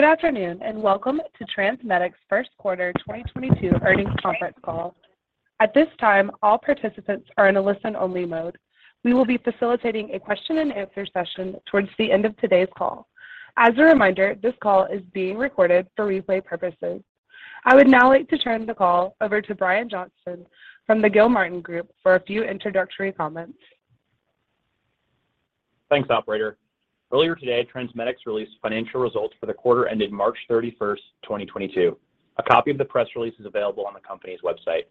Good afternoon, and welcome to TransMedics' Q1 2022 earnings conference call. At this time, all participants are in a listen-only mode. We will be facilitating a question and answer session towards the end of today's call. As a reminder, this call is being recorded for replay purposes. I would now like to turn the call over to Brian Johnston from the Gilmartin Group for a few introductory comments. Thanks, operator. Earlier today, TransMedics released financial results for the quarter ended March 31, 2022. A copy of the press release is available on the company's website.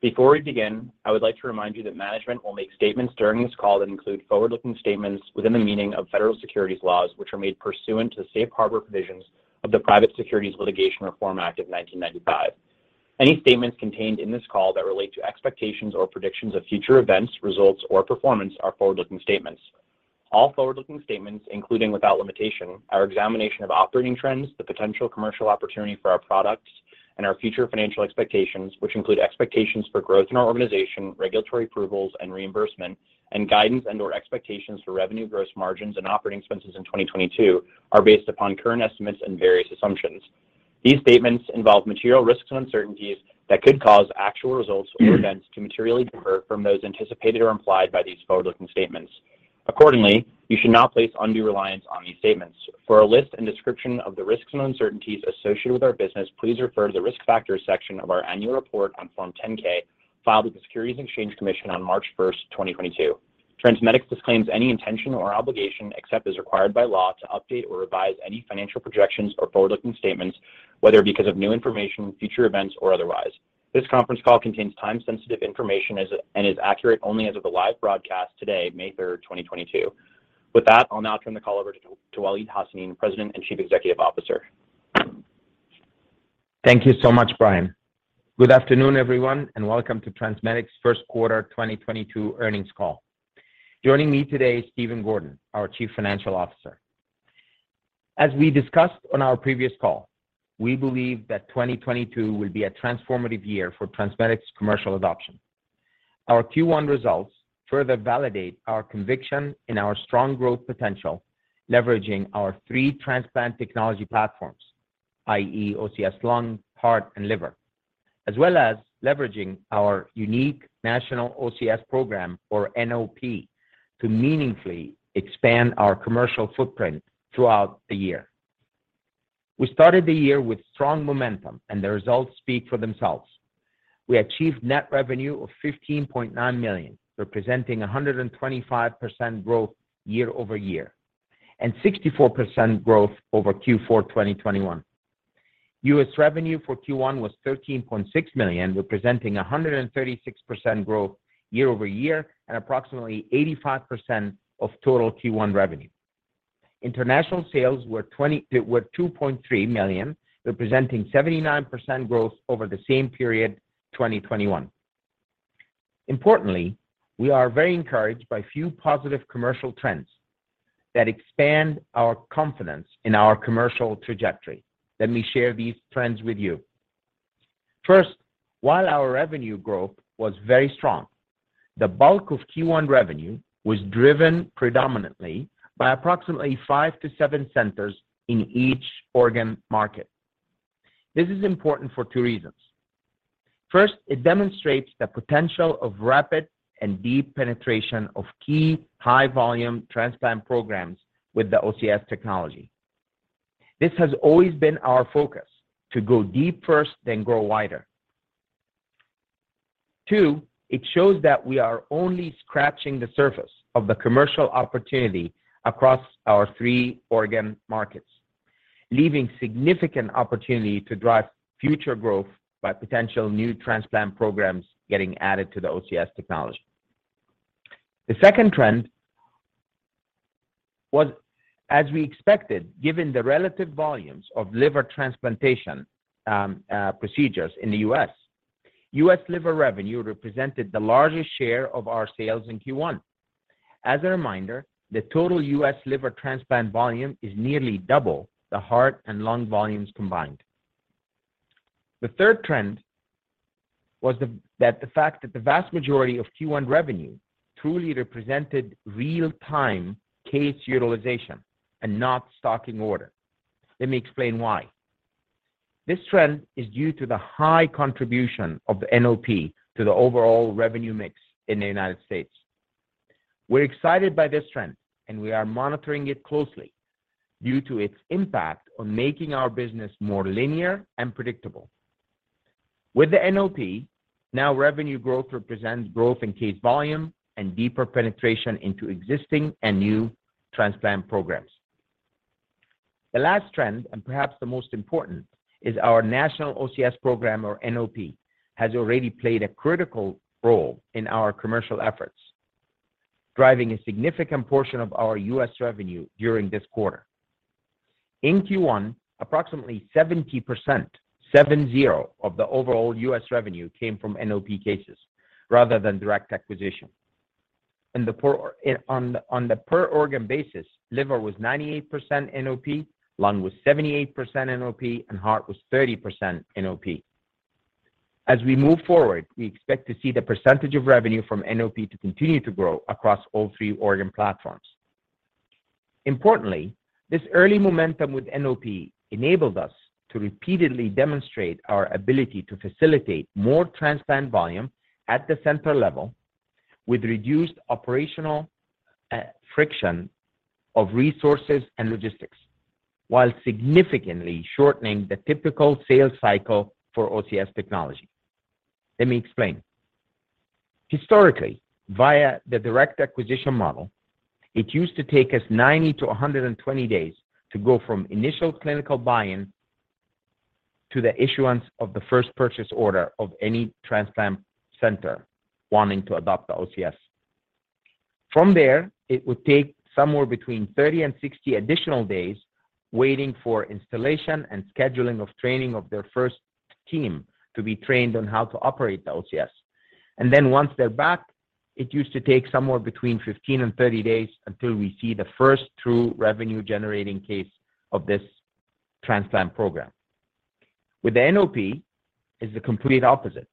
Before we begin, I would like to remind you that management will make statements during this call that include forward-looking statements within the meaning of federal securities laws, which are made pursuant to the Safe Harbor provisions of the Private Securities Litigation Reform Act of 1995. Any statements contained in this call that relate to expectations or predictions of future events, results, or performance are forward-looking statements. All forward-looking statements, including without limitation, our examination of operating trends, the potential commercial opportunity for our products, and our future financial expectations, which include expectations for growth in our organization, regulatory approvals and reimbursement, and guidance and/or expectations for revenue gross margins and operating expenses in 2022, are based upon current estimates and various assumptions. These statements involve material risks and uncertainties that could cause actual results or events to materially differ from those anticipated or implied by these forward-looking statements. Accordingly, you should not place undue reliance on these statements. For a list and description of the risks and uncertainties associated with our business, please refer to the Risk Factors section of our annual report on Form 10-K filed with the Securities and Exchange Commission on March 1, 2022. TransMedics disclaims any intention or obligation, except as required by law, to update or revise any financial projections or forward-looking statements, whether because of new information, future events, or otherwise. This conference call contains time-sensitive information and is accurate only as of the live broadcast today, May 3rd, 2022. With that, I'll now turn the call over to Waleed Hassanein, President and Chief Executive Officer. Thank you so much, Brian. Good afternoon, everyone, and welcome to TransMedics' Q1 2022 earnings call. Joining me today is Stephen Gordon, our Chief Financial Officer. As we discussed on our previous call, we believe that 2022 will be a transformative year for TransMedics' commercial adoption. Our Q1 results further validate our conviction in our strong growth potential, leveraging our 3 transplant technology platforms, i.e., OCS Lung, Heart, and Liver, as well as leveraging our unique national OCS program, or NOP, to meaningfully expand our commercial footprint throughout the year. We started the year with strong momentum, and the results speak for themselves. We achieved net revenue of $15.9 million, representing 125% growth year-over-year, and 64% growth over Q4 2021. US revenue for Q1 was $13.6 million, representing 136% growth year-over-year and approximately 85% of total Q1 revenue. International sales were $2.3 million, representing 79% growth over the same period 2021. Importantly, we are very encouraged by few positive commercial trends that expand our confidence in our commercial trajectory. Let me share these trends with you. First, while our revenue growth was very strong, the bulk of Q1 revenue was driven predominantly by approximately 5-7 centers in each organ market. This is important for 2 reasons. First, it demonstrates the potential of rapid and deep penetration of key high-volume transplant programs with the OCS technology. This has always been our focus, to go deep first, then grow wider. 2, it shows that we are only scratching the surface of the commercial opportunity across our 3 organ markets, leaving significant opportunity to drive future growth by potential new transplant programs getting added to the OCS technology. The second trend was, as we expected, given the relative volumes of liver transplantation procedures in the U.S. U.S. liver revenue represented the largest share of our sales in Q1. As a reminder, the total U.S. liver transplant volume is nearly double the heart and lung volumes combined. The third trend was that the fact that the vast majority of Q1 revenue truly represented real-time case utilization and not stocking order. Let me explain why. This trend is due to the high contribution of the NOP to the overall revenue mix in the United States. We're excited by this trend, and we are monitoring it closely due to its impact on making our business more linear and predictable. With the NOP, now revenue growth represents growth in case volume and deeper penetration into existing and new transplant programs. The last trend, and perhaps the most important, is our national OCS program or NOP, has already played a critical role in our commercial efforts, driving a significant portion of our U.S. revenue during this quarter. In Q1, approximately 70%, 7 0, of the overall U.S. revenue came from NOP cases rather than direct acquisition. On the per organ basis, liver was 98% NOP, lung was 78% NOP, and heart was 30% NOP. As we move forward, we expect to see the percentage of revenue from NOP to continue to grow across all 3 organ platforms. Importantly, this early momentum with NOP enabled us to repeatedly demonstrate our ability to facilitate more transplant volume at the centre level with reduced operational friction of resources and logistics while significantly shortening the typical sales cycle for OCS technology. Let me explain. Historically, via the direct acquisition model, it used to take us 90-120 days to go from initial clinical buy-in to the issuance of the first purchase order of any transplant centre wanting to adopt the OCS. From there, it would take somewhere between 30-60 additional days waiting for installation and scheduling of training of their first team to be trained on how to operate the OCS. Once they're back, it used to take somewhere between 15-30 days until we see the first true revenue-generating case of this transplant program. With the NOP, it's the complete opposite.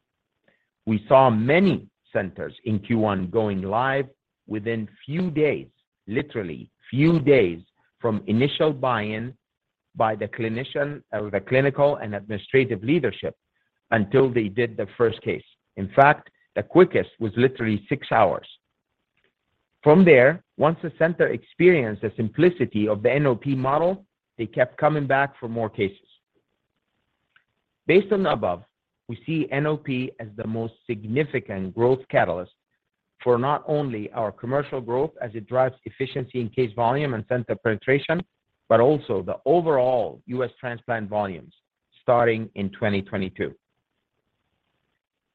We saw many centers in Q1 going live within few days, literally few days from initial buy-in by the clinician or the clinical and administrative leadership until they did the first case. In fact, the quickest was literally 6 hours. From there, once the center experienced the simplicity of the NOP model, they kept coming back for more cases. Based on the above, we see NOP as the most significant growth catalyst for not only our commercial growth as it drives efficiency in case volume and center penetration, but also the overall U.S. transplant volumes starting in 2022.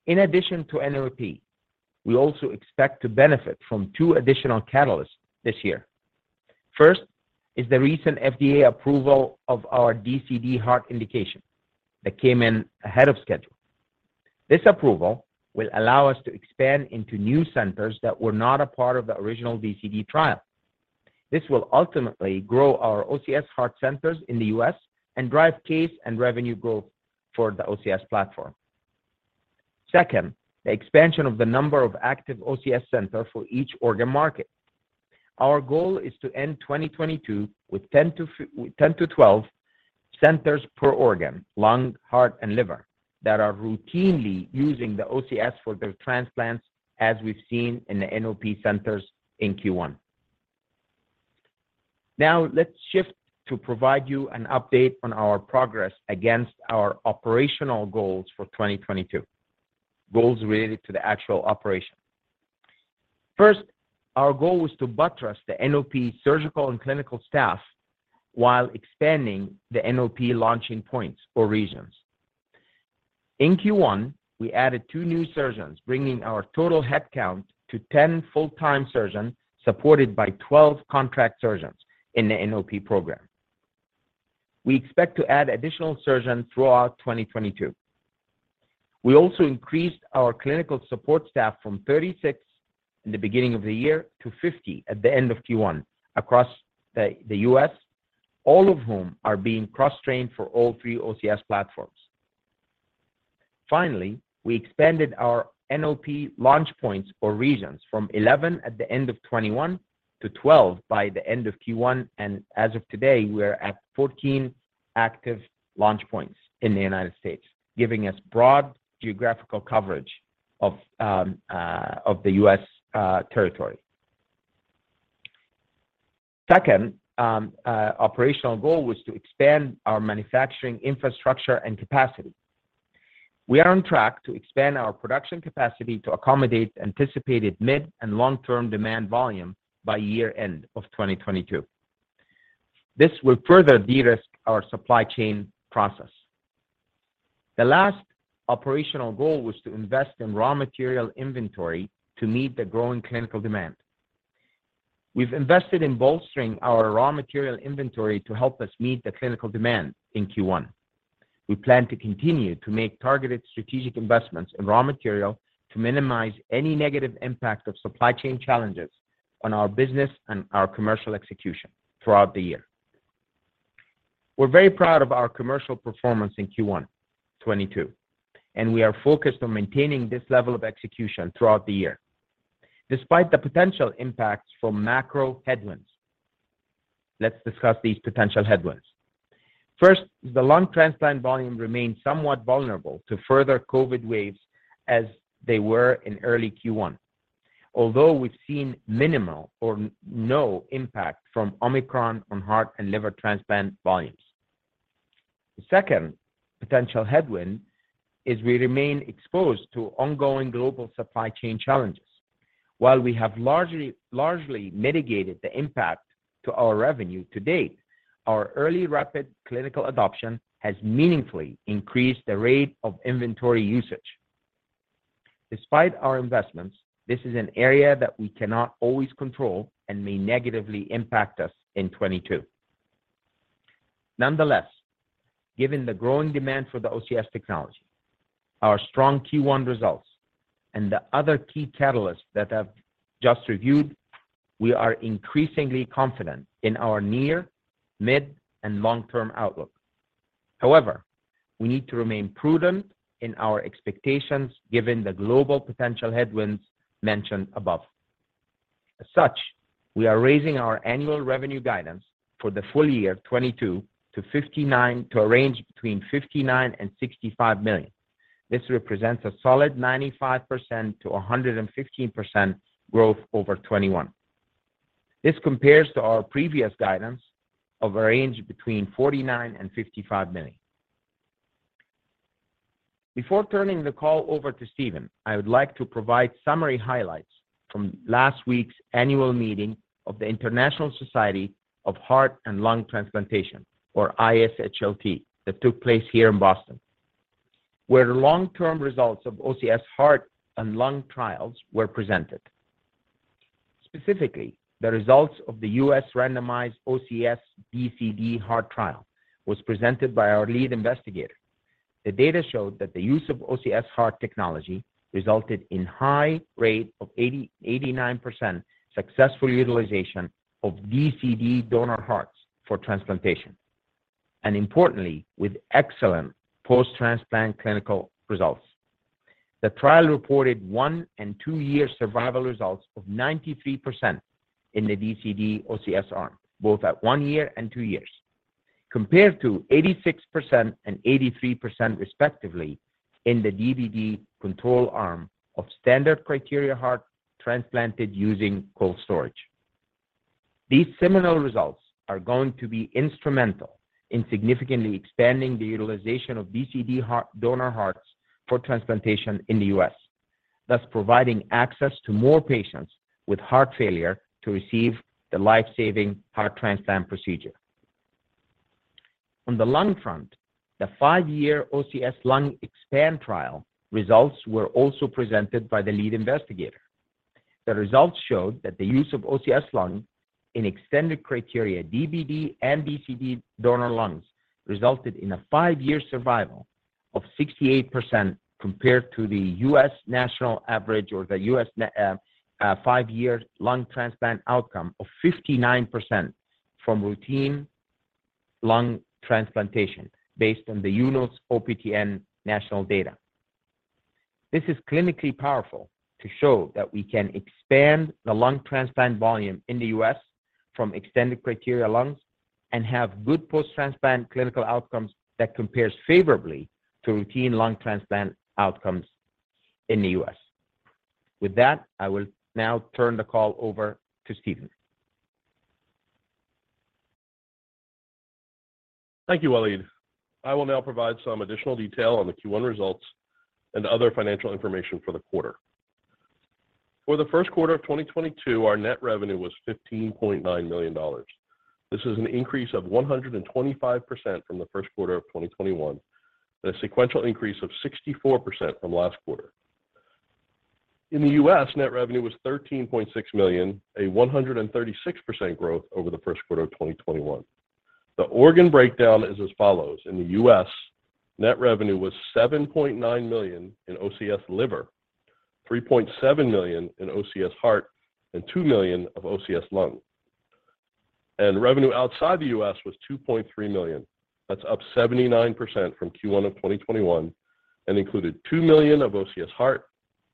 In addition to NOP, we also expect to benefit from 2 additional catalysts this year. First is the recent FDA approval of our DCD heart indication that came in ahead of schedule. This approval will allow us to expand into new centers that were not a part of the original DCD trial. This will ultimately grow our OCS Heart centers in the U.S. and drive case and revenue growth for the OCS platform. Second, the expansion of the number of active OCS centers for each organ market. Our goal is to end 2022 with 10-12 centers per organ, lung, heart, and liver, that are routinely using the OCS for their transplants, as we've seen in the NOP centers in Q1. Now let's shift to provide you an update on our progress against our operational goals for 2022. Goals related to the actual operation. First, our goal was to buttress the NOP surgical and clinical staff while expanding the NOP launching points or regions. In Q1, we added 2 new surgeons, bringing our total head count to 10 full-time surgeons, supported by 12 contract surgeons in the NOP program. We expect to add additional surgeons throughout 2022. We also increased our clinical support staff from 36 in the beginning of the year to 50 at the end of Q1 across the U.S., all of whom are being cross-trained for all 3 OCS platforms. Finally, we expanded our NOP launch points or regions from 11 at the end of 2021 to 12 by the end of Q1. As of today, we're at 14 active launch points in the United States, giving us broad geographical coverage of the U.S. territory. Second operational goal was to expand our manufacturing infrastructure and capacity. We are on track to expand our production capacity to accommodate anticipated mid- and long-term demand volume by year-end of 2022. This will further de-risk our supply chain process. The last operational goal was to invest in raw material inventory to meet the growing clinical demand. We've invested in bolstering our raw material inventory to help us meet the clinical demand in Q1. We plan to continue to make targeted strategic investments in raw material to minimize any negative impact of supply chain challenges on our business and our commercial execution throughout the year. We're very proud of our commercial performance in Q1 2022, and we are focused on maintaining this level of execution throughout the year, despite the potential impacts from macro headwinds. Let's discuss these potential headwinds. First, the lung transplant volume remains somewhat vulnerable to further COVID waves as they were in early Q1. Although we've seen minimal or no impact from Omicron on heart and liver transplant volumes. The second potential headwind is we remain exposed to ongoing global supply chain challenges. While we have largely mitigated the impact to our revenue to date, our early rapid clinical adoption has meaningfully increased the rate of inventory usage. Despite our investments, this is an area that we cannot always control and may negatively impact us in 2022. Nonetheless, given the growing demand for the OCS technology, our strong Q1 results and the other key catalysts that I've just reviewed. We are increasingly confident in our near, mid, and long-term outlook. However, we need to remain prudent in our expectations given the global potential headwinds mentioned above. As such, we are raising our annual revenue guidance for the full year 2022 to a range between $59 and $65 million. This represents a solid 95%-115% growth over 2021. This compares to our previous guidance of a range between $49 million and $55 million. Before turning the call over to Stephen, I would like to provide summary highlights from last week's annual meeting of the International Society for Heart and Lung Transplantation, or ISHLT, that took place here in Boston, where the long-term results of OCS heart and lung trials were presented. Specifically, the results of the U.S. randomized OCS DCD heart trial was presented by our lead investigator. The data showed that the use of OCS heart technology resulted in high rate of 89% successful utilization of DCD donor hearts for transplantation, and importantly, with excellent post-transplant clinical results. The trial reported 1- and 2-year survival results of 93% in the DCD OCS arm, both at 1 year and 2 years, compared to 86% and 83% respectively in the DBD control arm of standard criteria heart transplanted using cold storage. These seminal results are going to be instrumental in significantly expanding the utilization of DCD heart donor hearts for transplantation in the U.S., thus providing access to more patients with heart failure to receive the life-saving heart transplant procedure. On the lung front, the 5-year OCS Lung EXPAND Trial results were also presented by the lead investigator. The results showed that the use of OCS Lung in extended criteria DBD and DCD donor lungs resulted in a 5-year survival of 68% compared to the U.S. national average or the U.S. 5-year lung transplant outcome of 59% from routine lung transplantation based on the UNOS OPTN national data. This is clinically powerful to show that we can expand the lung transplant volume in the U.S. from extended criteria lungs and have good post-transplant clinical outcomes that compares favourably to routine lung transplant outcomes in the U.S. With that, I will now turn the call over to Stephen. Thank you, Waleed. I will now provide some additional detail on the Q1 results and other financial information for the quarter. For the Q1 of 2022, our net revenue was $15.9 million. This is an increase of 125% from the Q1 of 2021. The sequential increase of 64% from last quarter. In the U.S., net revenue was $13.6 million, a 136% growth over the Q1 of 2021. The organ breakdown is as follows. In the U.S., net revenue was $7.9 million in OCS Liver, $3.7 million in OCS Heart, and $2 million of OCS Lung. Revenue outside the U.S. was $2.3 million. That's up 79% from Q1 of 2021 and included $2 million of OCS Heart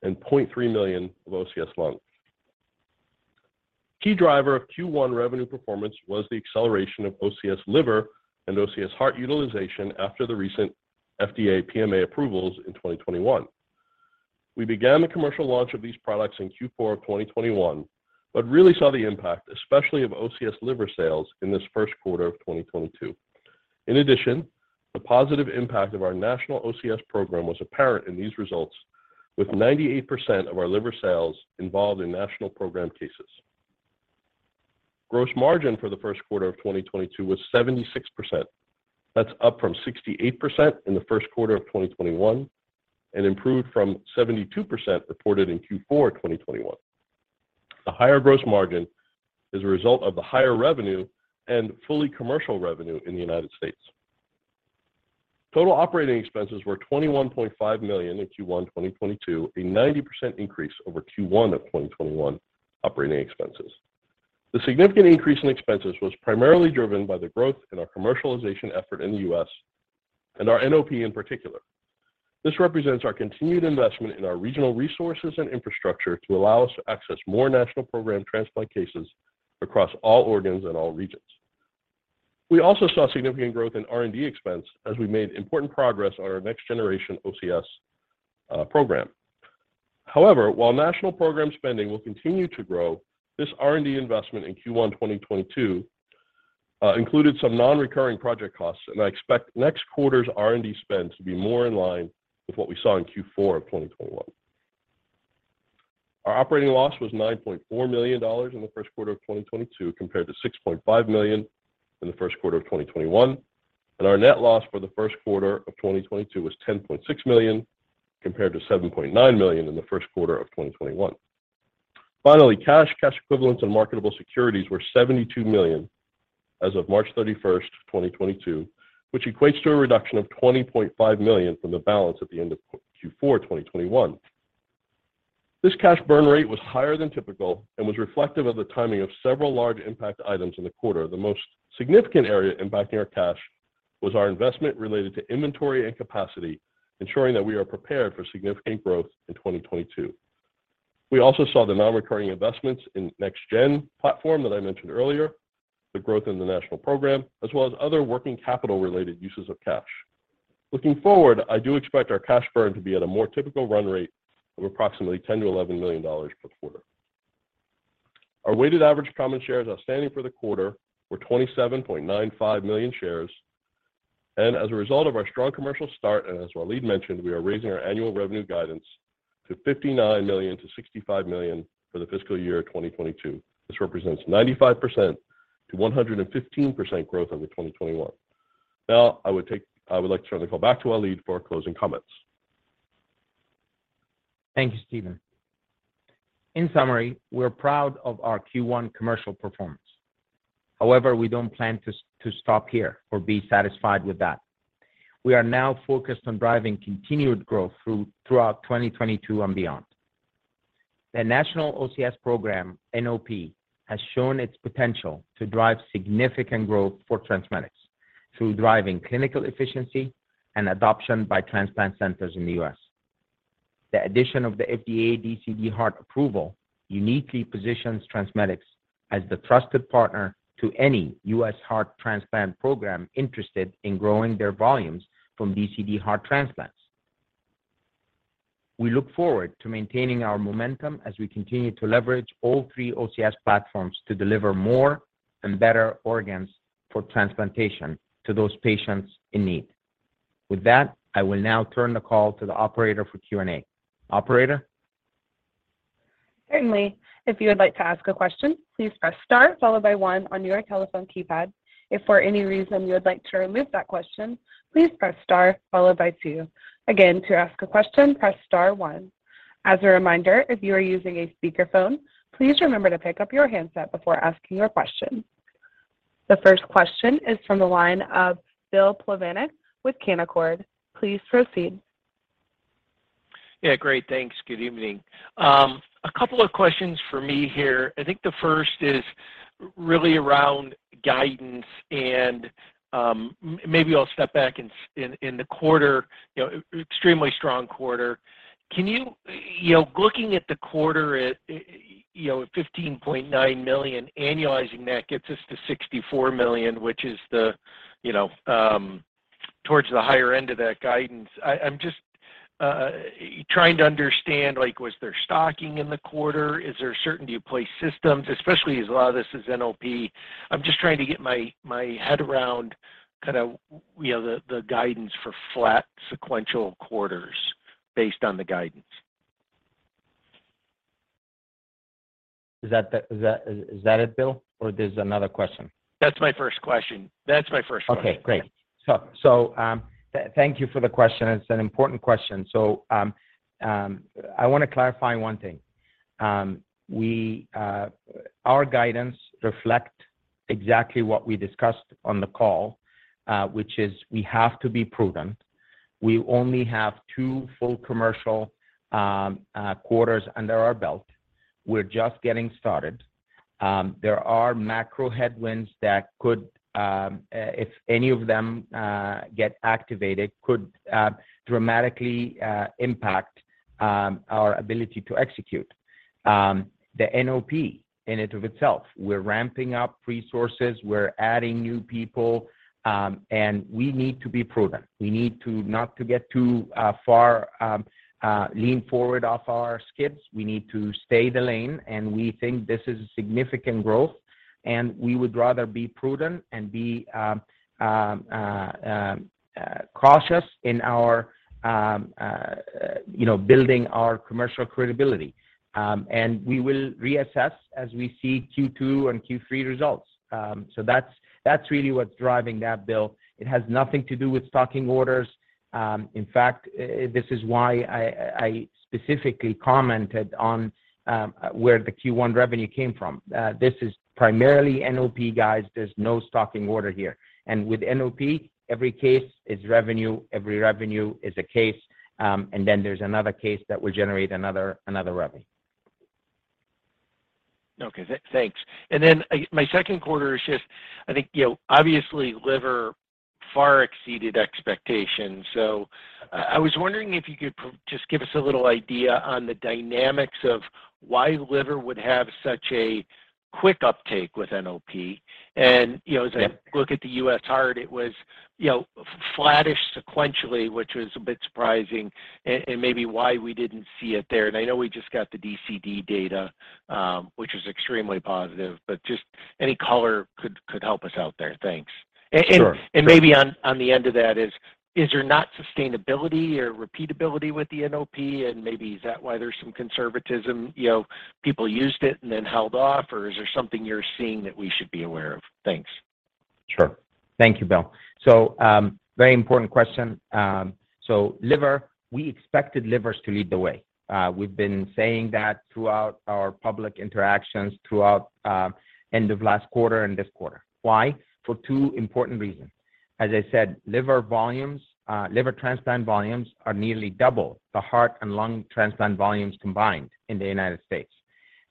and $0.3 million of OCS Lung. Key driver of Q1 revenue performance was the acceleration of OCS Liver and OCS Heart utilization after the recent FDA PMA approvals in 2021. We began the commercial launch of these products in Q4 of 2021, but really saw the impact, especially of OCS Liver sales, in this Q1 of 2022. In addition, the positive impact of our National OCS Program was apparent in these results with 98% of our liver sales involved in National OCS Program cases. Gross margin for the Q1 of 2022 was 76%. That's up from 68% in the Q1 of 2021 and improved from 72% reported in Q4 2021. The higher gross margin is a result of the higher revenue and fully commercial revenue in the United States. Total operating expenses were $21.5 million in Q1 2022, a 90% increase over Q1 of 2021 operating expenses. The significant increase in expenses was primarily driven by the growth in our commercialization effort in the US and our NOP in particular. This represents our continued investment in our regional resources and infrastructure to allow us to access more national program transplant cases across all organs and all regions. We also saw significant growth in R&D expense as we made important progress on our next-generation OCS program. However, while national program spending will continue to grow, this R&D investment in Q1 2022 included some non-recurring project costs, and I expect next quarter's R&D spend to be more in line with what we saw in Q4 of 2021. Our operating loss was $9.4 million in the Q1 of 2022 compared to $6.5 million in the Q1 of 2021. Our net loss for the Q1 of 2022 was $10.6 million compared to $7.9 million in the Q1 of 2021. Finally, cash equivalents, and marketable securities were $72 million as of March 31st, 2022, which equates to a reduction of $20.5 million from the balance at the end of Q4 2021. This cash burn rate was higher than typical and was reflective of the timing of several large impact items in the quarter. The most significant area impacting our cash was our investment related to inventory and capacity, ensuring that we are prepared for significant growth in 2022. We also saw the non-recurring investments in next-gen platform that I mentioned earlier, the growth in the national program, as well as other working capital related uses of cash. Looking forward, I do expect our cash burn to be at a more typical run rate of approximately $10-$11 million per quarter. Our weighted average common shares outstanding for the quarter were 27.95 million shares. As a result of our strong commercial start, and as Waleed mentioned, we are raising our annual revenue guidance to $59 million-$65 million for the fiscal year 2022. This represents 95%-115% growth over 2021. Now, I would like to turn the call back to Waleed for closing comments. Thank you, Stephen. In summary, we're proud of our Q1 commercial performance. However, we don't plan to stop here or be satisfied with that. We are now focused on driving continued growth throughout 2022 and beyond. The National OCS Program, NOP, has shown its potential to drive significant growth for TransMedics through driving clinical efficiency and adoption by transplant centers in the U.S. The addition of the FDA DCD heart approval uniquely positions TransMedics as the trusted partner to any U.S. heart transplant program interested in growing their volumes from DCD heart transplants. We look forward to maintaining our momentum as we continue to leverage all 3 OCS platforms to deliver more and better organs for transplantation to those patients in need. With that, I will now turn the call to the operator for Q&A. Operator? Certainly. If you would like to ask a question, please press star followed by 1 on your telephone keypad. If for any reason you would like to remove that question, please press star followed by 2. Again, to ask a question, press star 1. As a reminder, if you are using a speakerphone, please remember to pick up your handset before asking your question. The first question is from the line of Bill Plovanic with Canaccord. Please proceed. Yeah, great. Thanks. Good evening. A couple of questions for me here. I think the first is really around guidance and maybe I'll step back and see in the quarter, you know, extremely strong quarter. Looking at the quarter at $15.9 million, annualizing that gets us to $64 million, which is towards the higher end of that guidance. I'm just trying to understand, like, was there stocking in the quarter? Is there a certainty you place systems, especially as a lot of this is NOP. I'm just trying to get my head around kind of, you know, the guidance for flat sequential quarters based on the guidance. Is that it, Bill? There's another question? That's my first question. Okay, great. Thank you for the question. It's an important question. I want to clarify 1 thing. Our guidance reflect exactly what we discussed on the call, which is we have to be prudent. We only have 2 full commercial quarters under our belt. We're just getting started. There are macro headwinds that could, if any of them get activated, could dramatically impact our ability to execute. The NOP in and of itself, we're ramping up resources, we're adding new people, and we need to be prudent. We need to not to get too far lean forward off our skis. We need to stay in the lane, and we think this is a significant growth, and we would rather be prudent and be cautious in our, you know, building our commercial credibility. We will reassess as we see Q2 and Q3 results. That's really what's driving that, Bill. It has nothing to do with stocking orders. In fact, this is why I specifically commented on where the Q1 revenue came from. This is primarily NOP, guys. There's no stocking order here. With NOP, every case is revenue, every revenue is a case, and then there's another case that will generate another revenue. Okay. Thanks. My second question is just, I think, you know, obviously, liver far exceeded expectations. I was wondering if you could just give us a little idea on the dynamics of why liver would have such a quick uptake with NOP. Yeah As I look at the U.S. heart, it was, you know, flattish sequentially, which was a bit surprising and maybe why we didn't see it there. I know we just got the DCD data, which is extremely positive, but just any color could help us out there. Thanks. Sure. Maybe on the end of that is there not sustainability or repeatability with the NOP? Maybe is that why there's some conservatism, you know, people used it and then held off, or is there something you're seeing that we should be aware of? Thanks. Sure. Thank you, Bill. Very important question. Liver, we expected livers to lead the way. We've been saying that throughout our public interactions, throughout end of last quarter and this quarter. Why? For 2 important reasons. As I said, liver volumes, liver transplant volumes are nearly double the heart and lung transplant volumes combined in the United States.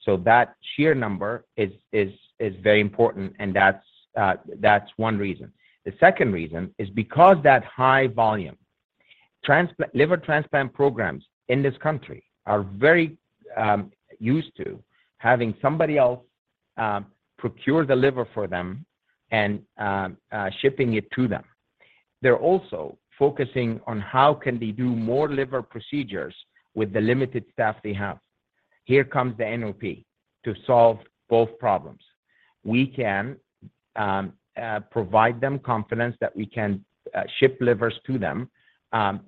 That sheer number is very important, and that's 1 reason. The second reason is because that high volume transplant, liver transplant programs in this country are very used to having somebody else procure the liver for them and shipping it to them. They're also focusing on how can they do more liver procedures with the limited staff they have. Here comes the NOP to solve both problems. We can provide them confidence that we can ship livers to them,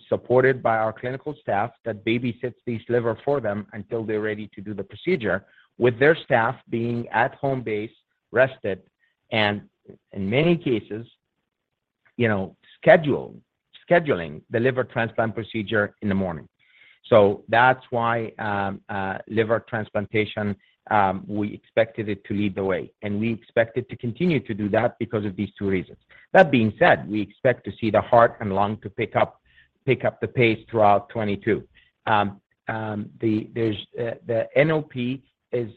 supported by our clinical staff that babysits this liver for them until they're ready to do the procedure with their staff being at home base, rested, and in many cases, you know, scheduling the liver transplant procedure in the morning. That's why liver transplantation we expected it to lead the way, and we expect it to continue to do that because of these 2 reasons. That being said, we expect to see the heart and lung to pick up the pace throughout 2022. The NOP is,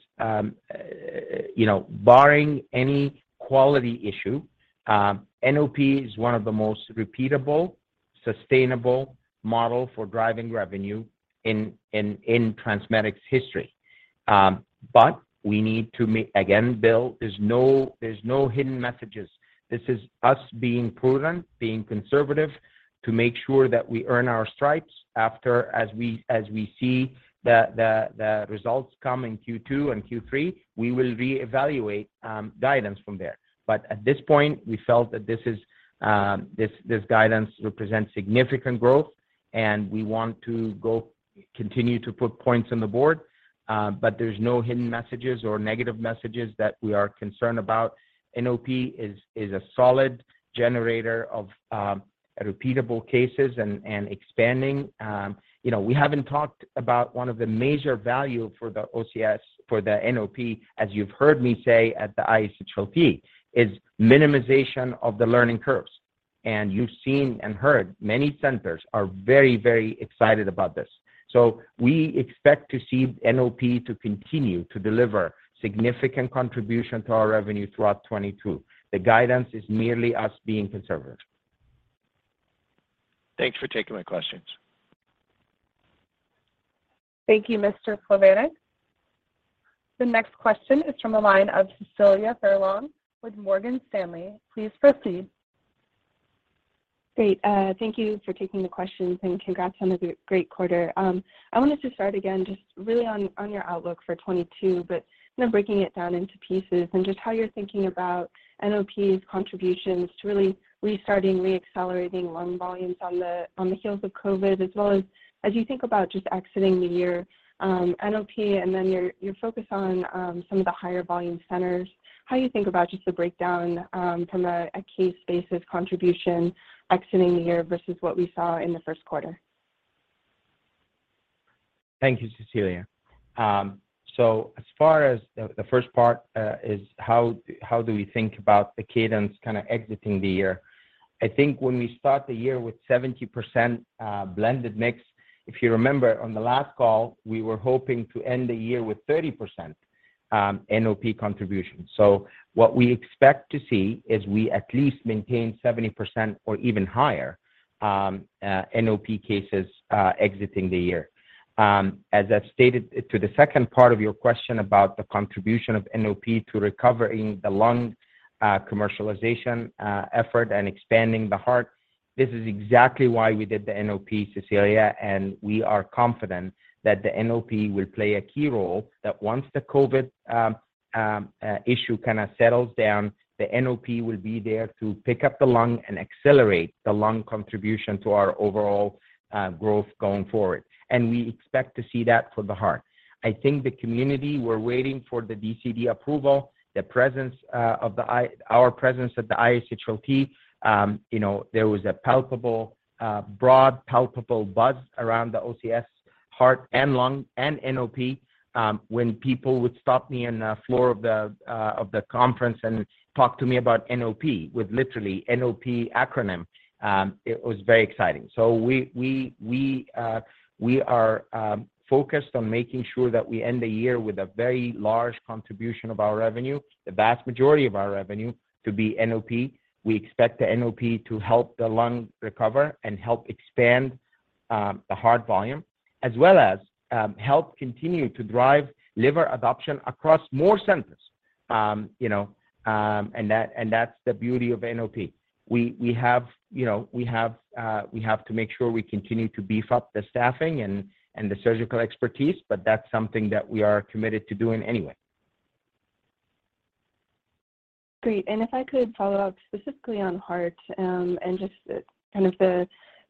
you know, barring any quality issue, NOP is one of the most repeatable, sustainable model for driving revenue in TransMedics history. We need to again, Bill, there's no hidden messages. This is us being prudent, being conservative to make sure that we earn our stripes. As we see the results come in Q2 and Q3, we will re-evaluate guidance from there. At this point, we felt that this guidance represents significant growth, and we want to continue to put points on the board. There's no hidden messages or negative messages that we are concerned about. NOP is a solid generator of repeatable cases and expanding. You know, we haven't talked about 1 of the major value for the OCS, for the NOP, as you've heard me say at the ISHLT, is minimization of the learning curves. You've seen and heard many centers are very, very excited about this. We expect to see NOP to continue to deliver significant contribution to our revenue throughout 2022. The guidance is merely us being conservative. Thanks for taking my questions. Thank you, Mr. Plovanic. The next question is from the line of Cecilia Furlong with Morgan Stanley. Please proceed. Great. Thank you for taking the questions, and congrats on a great quarter. I wanted to start again just really on your outlook for 2022, but you know, breaking it down into pieces and just how you're thinking about NOP's contributions to really restarting, reaccelerating lung volumes on the heels of COVID, as well as you think about just exiting the year, NOP and then your focus on some of the higher volume centers. How you think about just the breakdown from a case basis contribution exiting the year versus what we saw in the Q1? Thank you, Cecilia. As far as the first part is how do we think about the cadence kind of exiting the year? I think when we start the year with 70% blended mix, if you remember on the last call, we were hoping to end the year with 30% NOP contribution. What we expect to see is we at least maintain 70% or even higher NOP cases exiting the year. As I've stated, to the second part of your question about the contribution of NOP to recovering the lung commercialization effort and expanding the heart, this is exactly why we did the NOP, Cecilia. We are confident that the NOP will play a key role, that once the COVID issue kind of settles down, the NOP will be there to pick up the lung and accelerate the lung contribution to our overall growth going forward. We expect to see that for the heart. I think the community were waiting for the DCD approval. The presence of our presence at the ISHLT, you know, there was a palpable broad palpable buzz around the OCS Heart and Lung and NOP, when people would stop me in the floor of the conference and talk to me about NOP with literally NOP acronym. It was very exciting. We are focused on making sure that we end the year with a very large contribution of our revenue, the vast majority of our revenue to be NOP. We expect the NOP to help the lung recover and help expand the heart volume as well as help continue to drive liver adoption across more centers. You know, that's the beauty of NOP. We have to make sure we continue to beef up the staffing and the surgical expertise, but that's something that we are committed to doing anyway. Great. If I could follow up specifically on heart and just kind of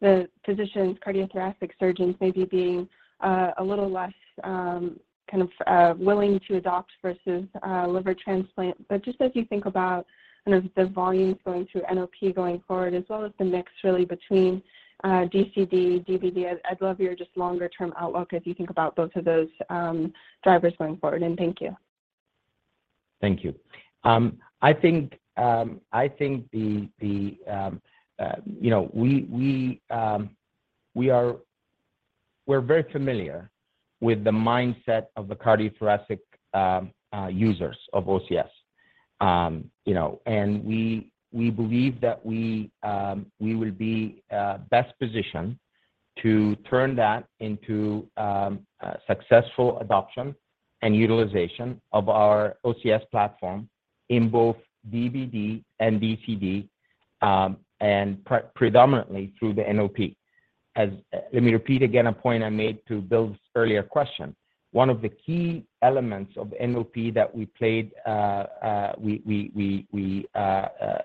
the physicians, cardiothoracic surgeons maybe being a little less kind of willing to adopt versus liver transplant. Just as you think about kind of the volumes going through NOP going forward as well as the mix really between DCD, DBD, I'd love your just longer term outlook as you think about both of those drivers going forward. Thank you. Thank you. I think you know, we are very familiar with the mindset of the cardiothoracic users of OCS. You know, we believe that we will be best positioned to turn that into successful adoption and utilization of our OCS platform in both DBD and DCD, and predominantly through the NOP. Let me repeat again a point I made to Bill's earlier question. 1 of the key elements of NOP that we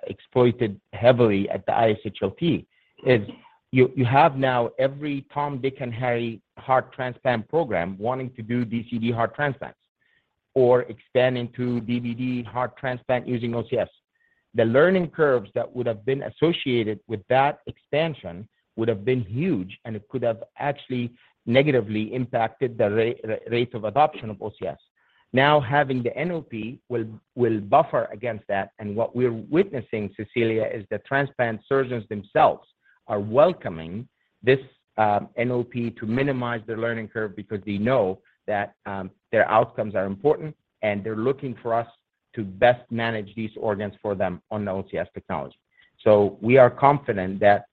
exploited heavily at the ISHLT is you have now every Tom, Dick, and Harry heart transplant program wanting to do DCD heart transplants or expanding to DBD heart transplant using OCS. The learning curves that would have been associated with that expansion would have been huge, and it could have actually negatively impacted the rate of adoption of OCS. Now, having the NOP will buffer against that. What we're witnessing, Cecilia, is the transplant surgeons themselves are welcoming this NOP to minimize their learning curve because they know that their outcomes are important, and they're looking for us to best manage these organs for them on the OCS technology. We are confident that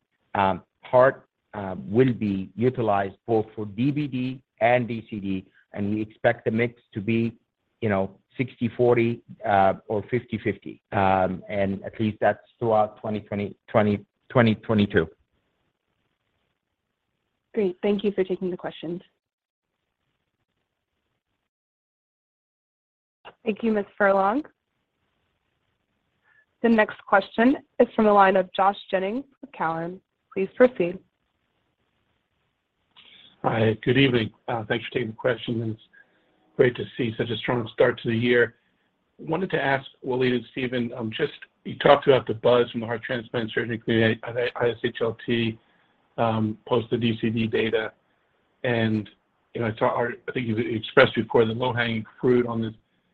heart will be utilized both for DBD and DCD, and we expect the mix to be, you know, 60/40 or 50/50. At least that's throughout 2020, 2021, 2022. Great. Thank you for taking the questions. Thank you, Ms. Furlong. The next question is from the line of Josh Jennings with TD Cowen. Please proceed. Hi. Good evening. Thanks for taking the question, and it's great to see such a strong start to the year. Wanted to ask Waleed and Stephen, just you talked about the buzz from the heart transplant surgery community at ISHLT, post the DCD data. You know, I think you expressed before the low-hanging fruit on this,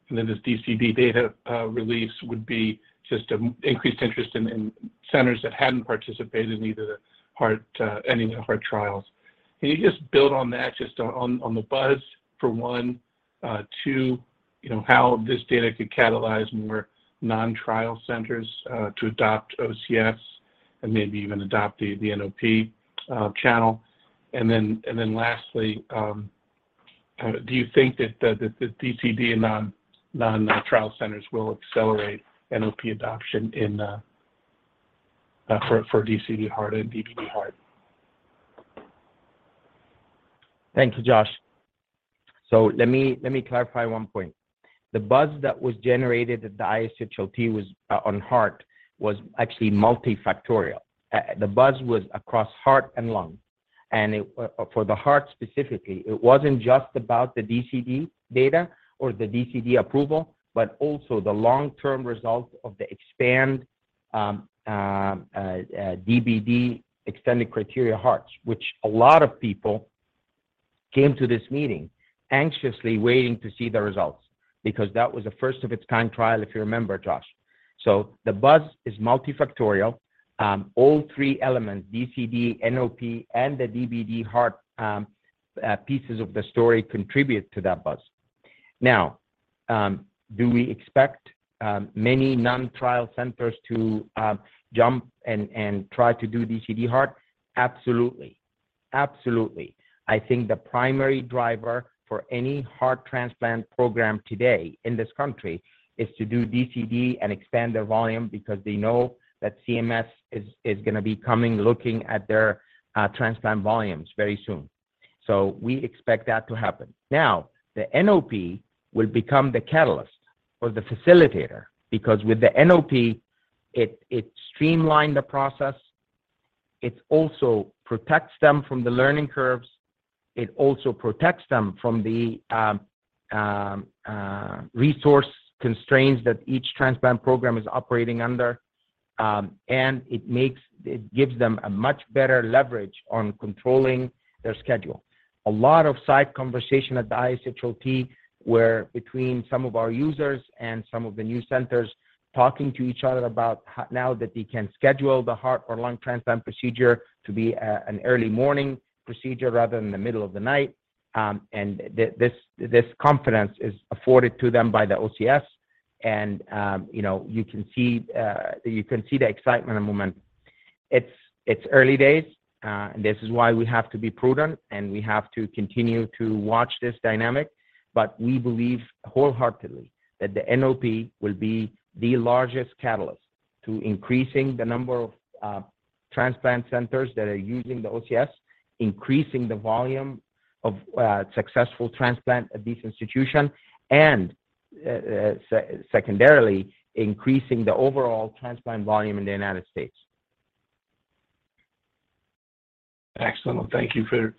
and then this DCD data release would be just increased interest in centers that hadn't participated in either the heart, any of the heart trials. Can you just build on that, just on the buzz, for 1? 2, you know, how this data could catalyze more non-trial centers to adopt OCS and maybe even adopt the NOP channel. Lastly, do you think that the DCD non-trial centers will accelerate NOP adoption in for DCD heart and DBD heart? Thank you, Josh. Let me clarify 1 point. The buzz that was generated at the ISHLT was on heart was actually multifactorial. The buzz was across heart and lung. It for the heart specifically, it wasn't just about the DCD data or the DCD approval, but also the long-term results of the DBD extended criteria hearts, which a lot of people came to this meeting anxiously waiting to see the results because that was a first of its kind trial, if you remember, Josh. The buzz is multifactorial. All 3 elements, DCD, NOP, and the DBD heart pieces of the story contribute to that buzz. Now, do we expect many non-trial centers to jump and try to do DCD heart? Absolutely. I think the primary driver for any heart transplant program today in this country is to do DCD and expand their volume because they know that CMS is going to be coming, looking at their transplant volumes very soon. We expect that to happen. Now, the NOP will become the catalyst or the facilitator because with the NOP, it streamlined the process. It also protects them from the learning curves. It also protects them from the resource constraints that each transplant program is operating under. It gives them a much better leverage on controlling their schedule. A lot of side conversation at the ISHLT were between some of our users and some of the new centers talking to each other about now that they can schedule the heart or lung transplant procedure to be a, an early morning procedure rather than the middle of the night. This confidence is afforded to them by the OCS. You know, you can see the excitement and momentum. It's early days, and this is why we have to be prudent, and we have to continue to watch this dynamic. We believe wholeheartedly that the NOP will be the largest catalyst to increasing the number of transplant centers that are using the OCS, increasing the volume of successful transplant at this institution and secondarily increasing the overall transplant volume in the United States. Excellent. Thank you for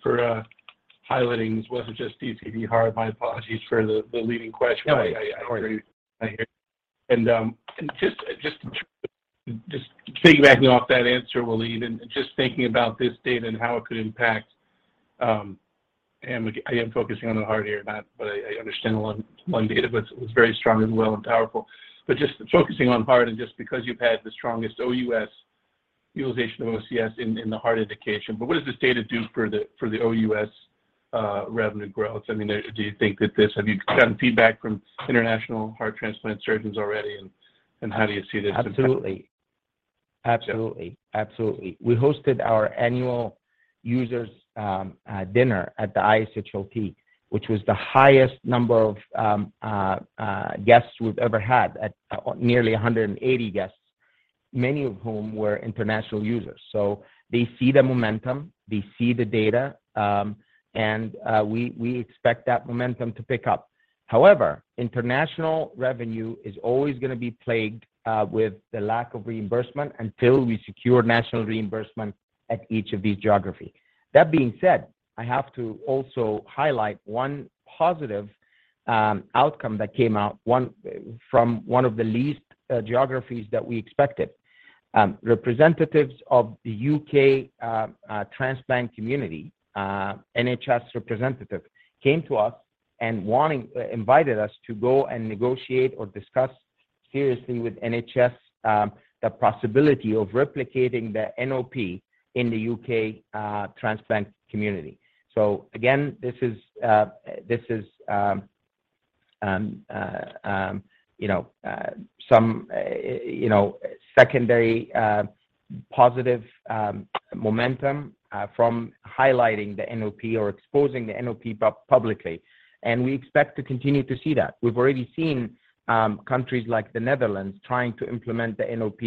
highlighting this wasn't just DCD heart. My apologies for the leading question. No, no worries. I agree. I hear you. Just piggybacking off that answer, Waleed, and just thinking about this data and how it could impact, and again, I am focusing on the heart here, but I understand the lung data was very strong and well and powerful. Just focusing on heart and just because you've had the strongest OUS utilization of OCS in the heart indication. What does this data do for the OUS revenue growth? I mean, do you think that? Have you gotten feedback from international heart transplant surgeons already, and how do you see this impacting? Absolutely. We hosted our annual users dinner at the ISHLT, which was the highest number of guests we've ever had at nearly 180 guests, many of whom were international users. They see the momentum, they see the data, and we expect that momentum to pick up. However, international revenue is always going to be plagued with the lack of reimbursement until we secure national reimbursement at each of these geography. That being said, I have to also highlight 1 positive outcome that came out from 1 of the least geographies that we expected. Representatives of the UK transplant community, NHS representative came to us and invited us to go and negotiate or discuss seriously with NHS, the possibility of replicating the NOP in the UK transplant community. Again, this is, you know, some secondary positive momentum from highlighting the NOP or exposing the NOP publicly, and we expect to continue to see that. We've already seen countries like the Netherlands trying to implement the NOP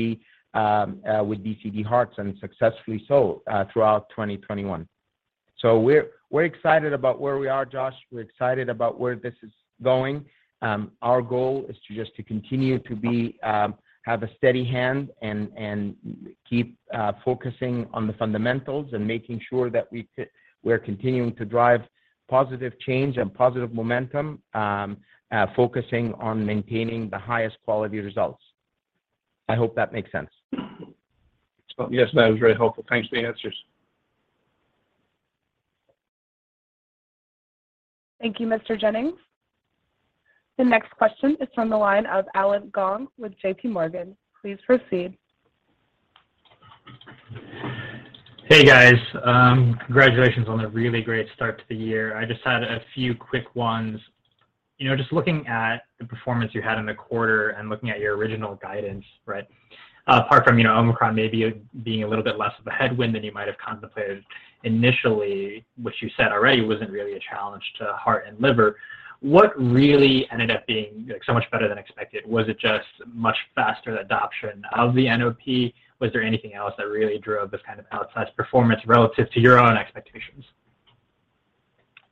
with DCD hearts and successfully so throughout 2021. We're excited about where we are, Josh. We're excited about where this is going. Our goal is to just to continue to be, have a steady hand and keep focusing on the fundamentals and making sure that we're continuing to drive positive change and positive momentum, focusing on maintaining the highest quality results. I hope that makes sense. Yes. No, it was very helpful. Thanks for the answers. Thank you, Mr. Jennings. The next question is from the line of Allen Gong with J.P. Morgan. Please proceed. Hey, guys. Congratulations on a really great start to the year. I just had a few quick ones. You know, just looking at the performance you had in the quarter and looking at your original guidance, right? Apart from, you know, Omicron maybe being a little bit less of a headwind than you might have contemplated initially, which you said already wasn't really a challenge to heart and liver. What really ended up being, like, so much better than expected? Was it just much faster adoption of the NOP? Was there anything else that really drove this kind of outsized performance relative to your own expectations?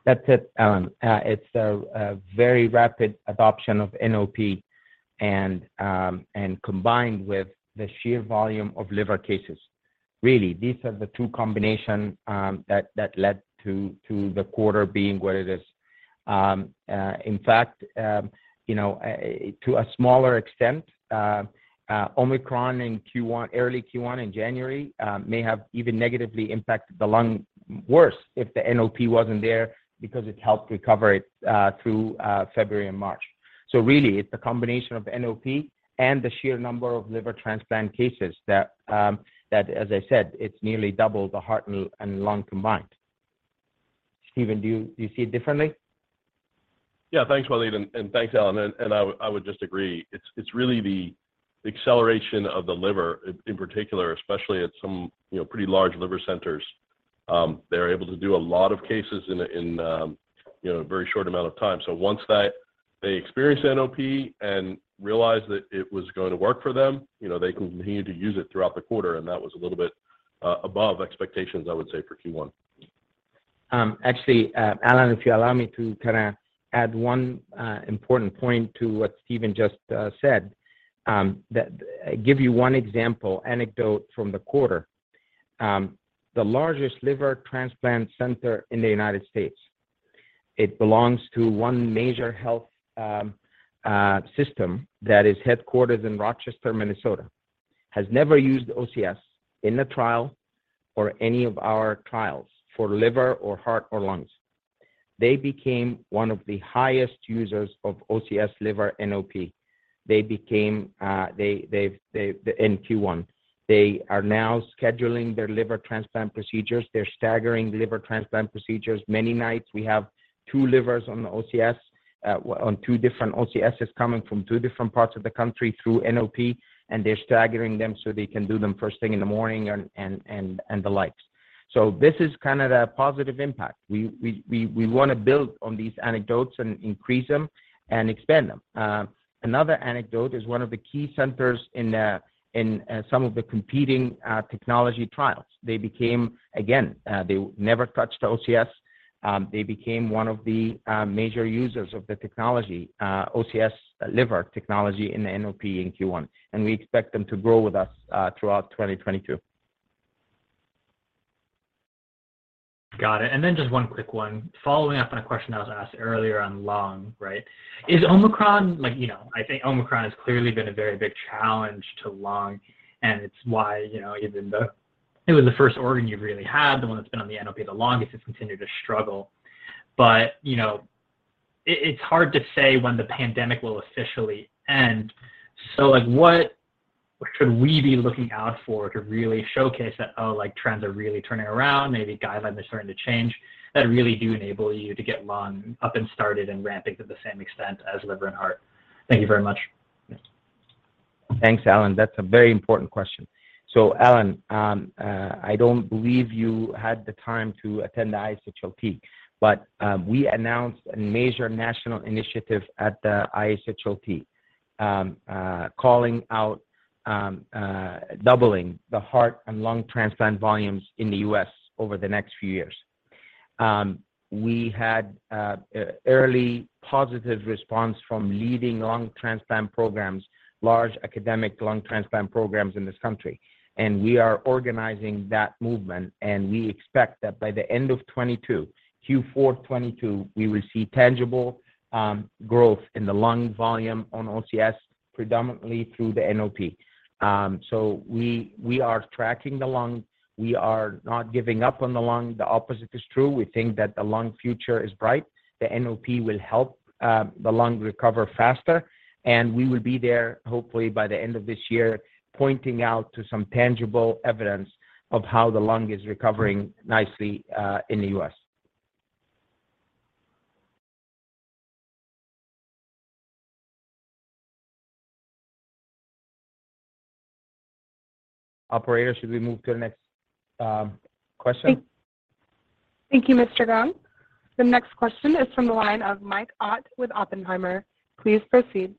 That's it, Allen. It's a very rapid adoption of NOP and combined with the sheer volume of liver cases. Really, these are the 2 combination that led to the quarter being what it is. In fact, you know, Omicron in Q1, early Q1 in January, may have even negatively impacted the lung worse if the NOP wasn't there because it helped recover it through February and March. Really it's a combination of NOP and the sheer number of liver transplant cases that, as I said, it's nearly double the heart and lung combined. Stephen, do you see it differently? Yeah. Thanks, Waleed, and thanks, Allen. I would just agree. It's really the acceleration of the liver in particular, especially at some, you know, pretty large liver centers. They're able to do a lot of cases in a very short amount of time. Once that they experience NOP and realize that it was going to work for them, you know, they continued to use it throughout the quarter and that was a little bit above expectations, I would say for Q1. Actually, Allen, if you allow me to kind of add 1 important point to what Stephen just said. Give you 1 example anecdote from the quarter. The largest liver transplant center in the United States, it belongs to 1 major health system that is headquartered in Rochester, Minnesota, has never used OCS in the trial or any of our trials for liver or heart or lungs. They became 1 of the highest users of OCS Liver NOP. They became in Q1. They are now scheduling their liver transplant procedures. They're staggering liver transplant procedures. Many nights we have 2 livers on the OCS on 2 different OCSs coming from 2 different parts of the country through NOP, and they're staggering them so they can do them first thing in the morning and the likes. This is kind of the positive impact. We want to build on these anecdotes and increase them and expand them. Another anecdote is 1 of the key centers in some of the competing technology trials. They never touched OCS. They became 1 of the major users of the technology, OCS liver technology in the NOP in Q1, and we expect them to grow with us throughout 2022. Got it. Just 1 quick 1 following up on a question that was asked earlier on lung, right? Is Omicron like, you know, I think Omicron has clearly been a very big challenge to lung, and it's why, you know, it's been the first organ you really had, the 1 that's been on the NOP the longest. It's continued to struggle. You know, it's hard to say when the pandemic will officially end. Like, what should we be looking out for to really showcase that, oh, like, trends are really turning around, maybe guidelines are starting to change that really do enable you to get lung up and started and ramping to the same extent as liver and heart? Thank you very much. Thanks, Allen. That's a very important question. Allen, I don't believe you had the time to attend the ISHLT, but we announced a major national initiative at the ISHLT, calling out doubling the heart and lung transplant volumes in the U.S. over the next few years. We had early positive response from leading lung transplant programs, large academic lung transplant programs in this country. We are organizing that movement, and we expect that by the end of 2022, Q4 2022, we will see tangible growth in the lung volume on OCS predominantly through the NOP. We are tracking the lung. We are not giving up on the lung. The opposite is true. We think that the lung future is bright. The NOP will help the lung recover faster, and we will be there hopefully by the end of this year, pointing out to some tangible evidence of how the lung is recovering nicely in the U.S. Operator, should we move to the next question? Thank you, Mr. Gong. The next question is from the line of Mike Matson with Oppenheimer. Please proceed.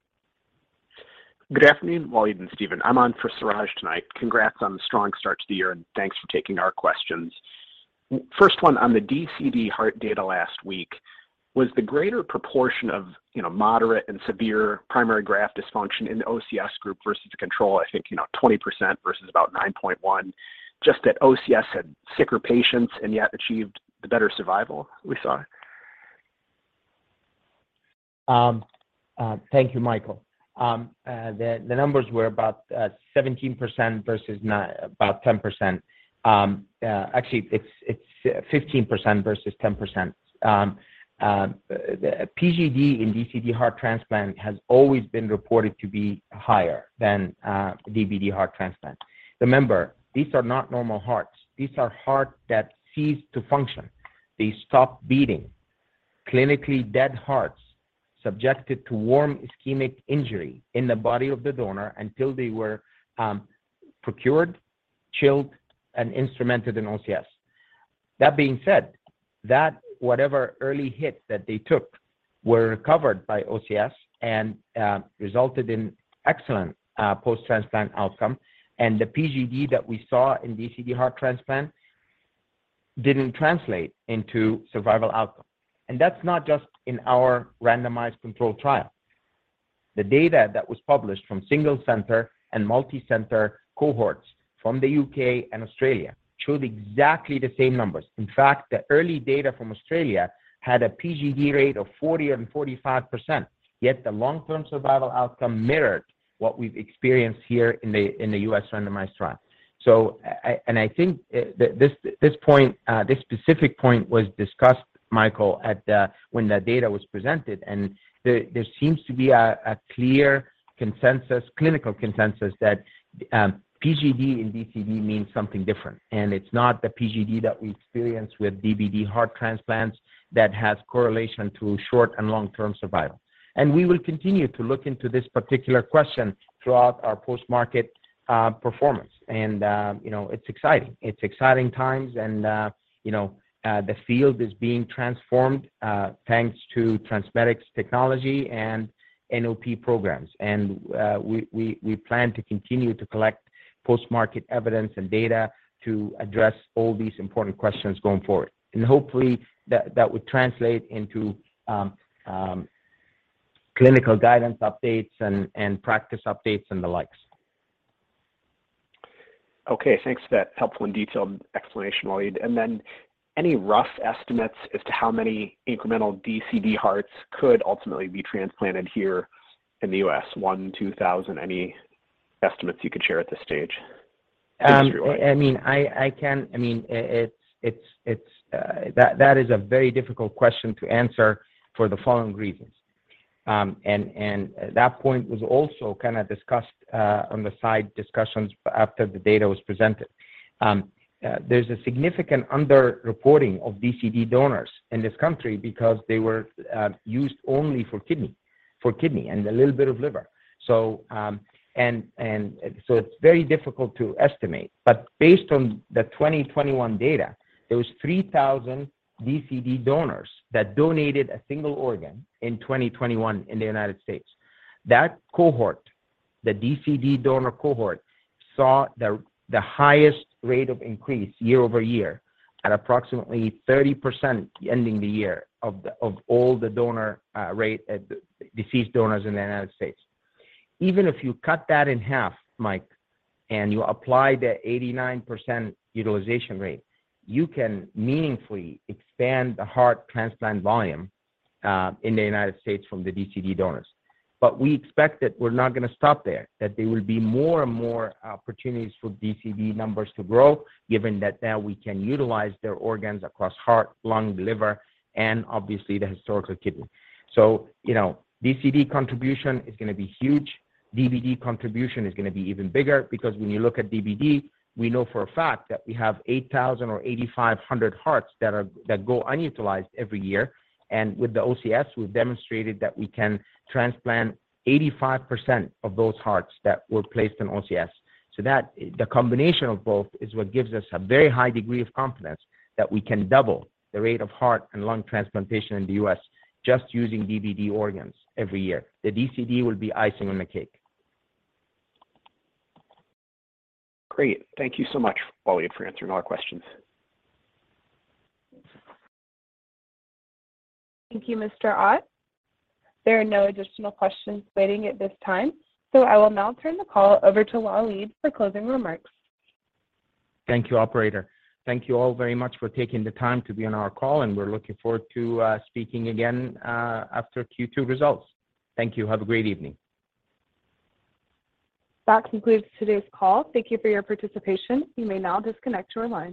Good afternoon, Waleed and Stephen. I'm on for Suraj Kalia tonight. Congrats on the strong start to the year, and thanks for taking our questions. First 1 on the DCD heart data last week, was the greater proportion of, you know, moderate and severe primary graft dysfunction in the OCS group versus control, I think, you know, 20% versus about 9.1, just that OCS had sicker patients and yet achieved the better survival we saw? Thank you, Michael. The numbers were about 17% versus about 10%. Actually, it's 15% versus 10%. PGD in DCD heart transplant has always been reported to be higher than DBD heart transplant. Remember, these are not normal hearts. These are hearts that cease to function. They stop beating. Clinically dead hearts subjected to warm ischemic injury in the body of the donor until they were procured, chilled, and instrumented in OCS. That being said, that whatever early hits that they took were covered by OCS and resulted in excellent post-transplant outcome. The PGD that we saw in DCD heart transplant didn't translate into survival outcome. That's not just in our randomized controlled trial. The data that was published from single center and multi-center cohorts from the U.K. and Australia showed exactly the same numbers. In fact, the early data from Australia had a PGD rate of 40%-45%. Yet the long-term survival outcome mirrored what we've experienced here in the U.S. randomized trial. And I think this specific point was discussed, Michael, when the data was presented. There seems to be a clear consensus, clinical consensus that PGD in DCD means something different. It's not the PGD that we experience with DBD heart transplants that has correlation to short and long-term survival. We will continue to look into this particular question throughout our post-market performance. You know, it's exciting. It's exciting times and, you know, the field is being transformed, thanks to TransMedics technology and NOP programs. We plan to continue to collect post-market evidence and data to address all these important questions going forward. Hopefully that would translate into, clinical guidance updates and practice updates and the likes. Okay. Thanks for that helpful and detailed explanation, Waleed. Any rough estimates as to how many incremental DCD hearts could ultimately be transplanted here in the U.S., 1,000-2,000? Any estimates you could share at this stage? I mean, that is a very difficult question to answer for the following reasons. That point was also kind of discussed on the side discussions after the data was presented. There's a significant underreporting of DCD donors in this country because they were used only for kidney and a little bit of liver. It's very difficult to estimate. Based on the 2021 data, there was 3,000 DCD donors that donated a single organ in 2021 in the United States. That cohort, the DCD donor cohort, saw the highest rate of increase year-over-year at approximately 30% ending the year of all the deceased donors in the United States. Even if you cut that in half, Mike, and you apply the 89% utilization rate, you can meaningfully expand the heart transplant volume in the United States from the DCD donors. We expect that we're not going to stop there, that there will be more and more opportunities for DCD numbers to grow, given that now we can utilize their organs across heart, lung, liver, and obviously the historical kidney. You know, DCD contribution is going to be huge. DBD contribution is going to be even bigger because when you look at DBD, we know for a fact that we have 8,000 or 8,500 hearts that go unutilized every year. With the OCS, we've demonstrated that we can transplant 85% of those hearts that were placed in OCS. The combination of both is what gives us a very high degree of confidence that we can double the rate of heart and lung transplantation in the U.S. just using DBD organs every year. The DCD will be icing on the cake. Great. Thank you so much, Waleed, for answering all our questions. Thank you, Mr. Matson. There are no additional questions waiting at this time, so I will now turn the call over to Waleed for closing remarks. Thank you, operator. Thank you all very much for taking the time to be on our call, and we're looking forward to speaking again after Q2 results. Thank you. Have a great evening. That concludes today's call. Thank you for your participation. You may now disconnect your line.